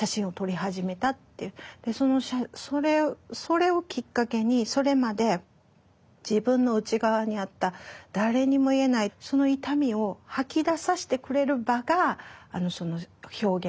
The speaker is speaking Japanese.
でそれをきっかけにそれまで自分の内側にあった誰にも言えないその痛みを吐き出させてくれる場が表現